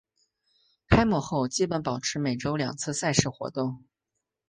开幕后基本保持每周两次赛事活动。